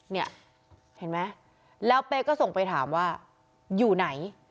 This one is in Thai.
เนี่ยเห็นไหมแล้วเป๊กก็ส่งไปถามว่าอยู่ไหน